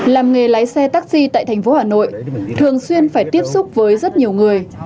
làm nghề lái xe taxi tại thành phố hà nội thường xuyên phải tiếp xúc với rất nhiều người